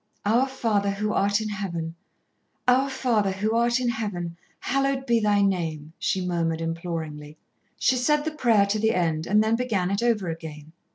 "Our Father who art in Heaven Our Father who art in Heaven, hallowed be Thy name," she murmured imploringly. She said the prayer to the end, and then began it over again.